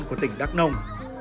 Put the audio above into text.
của tỉnh đắk nông